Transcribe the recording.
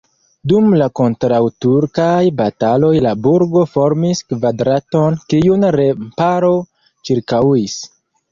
Dum la kontraŭturkaj bataloj la burgo formis kvadraton, kiun remparo ĉirkaŭis.